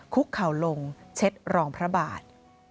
คุกเข่าลงเช็ดรองพระบาท